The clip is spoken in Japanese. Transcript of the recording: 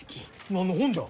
何の本じゃ？